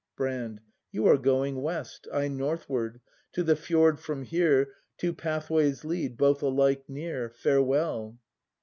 Brand. You are going west, I northward. To the fjord from here Two pathways lead, — both alike near. Farewell